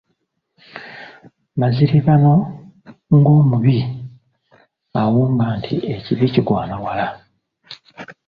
Maziribano ng'omubi awonga nti ekibi kigwana wala.